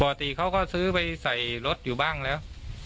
ปกติเขาก็ซื้อไปใส่รถอยู่บ้างแล้ว